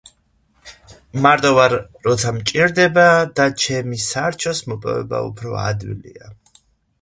მე მარტო ვარ, ცოტა მჭირდება და ჩემი სარჩოს მოპოვება უფრო ადვილია